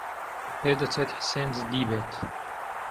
پێدەچێت حسێن جددی بێت.